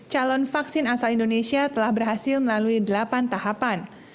calon vaksin asal indonesia telah berhasil melalui delapan tahapan